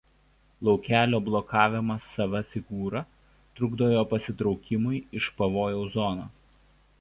Laukelio blokavimas sava figūra trukdo jo pasitraukimui iš pavojaus zonos.